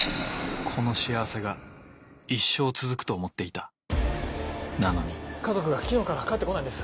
この幸せが一生続くと思っていたなのに家族が昨日から帰って来ないんです。